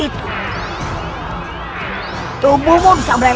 aku tidak percaya